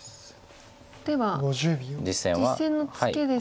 では実戦のツケですが。